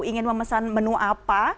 ingin memesan menu apa